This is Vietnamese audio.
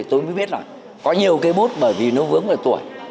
tôi mới biết là có nhiều cái bút bởi vì nó vướng về tuổi